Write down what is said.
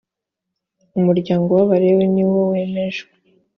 umuryango w ‘abalewi ni wo wemejwe.